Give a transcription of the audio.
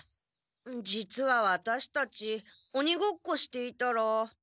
実はワタシたちおにごっこしていたら。